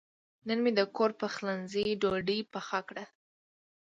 نن مې د کور پخلنځي ډوډۍ پخه کړه.